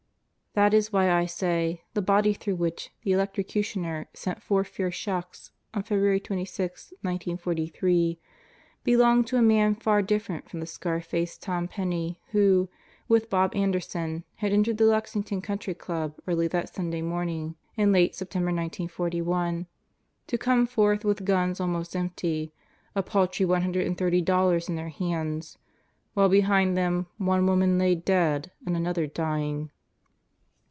That is why I say the body through which the electrocutioner sent four fierce shocks on February 26, 1943, belonged to a man far differ ent from the scar faced Tom Penney who, with Bob Anderson, had entered the Lexington Country Club early that Sunday morn ing in late September, 1941, to come forth with guns almost empty, a paltry $130 in their hands, while behind them one woman lay dead and another dying.